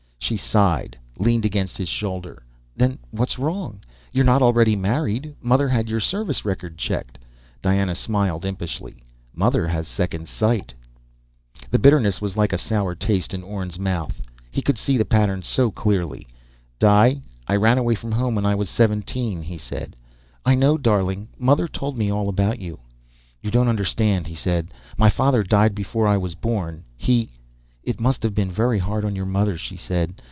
She sighed, leaned against his shoulder. "Then what's wrong? You're not already married. Mother had your service record checked." Diana smiled impishly. "Mother has second sight." The bitterness was like a sour taste in Orne's mouth. He could see the pattern so clearly. "Di, I ran away from home when I was seventeen," he said. "I know, darling. Mother's told me all about you." "You don't understand," he said. "My father died before I was born. He " "It must've been very hard on your mother," she said.